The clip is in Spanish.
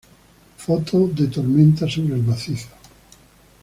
Foto de tormenta sobre el macizo